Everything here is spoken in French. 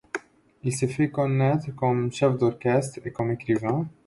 Il s'est fait connaître comme chef d'orchestre et comme écrivain.